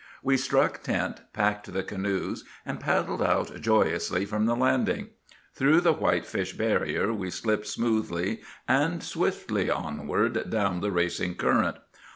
We struck tent, packed the canoes, and paddled out joyously from the landing. Through the whitefish barrier we slipped smoothly and swiftly onward down the racing current.